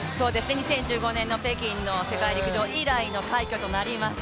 ２０１５年の北京の世界陸上以来の快挙となります。